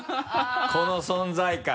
この存在感。